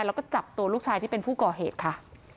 แล้วก็จับตัวลูกชายที่เป็นผู้ก่อเหตุค่ะ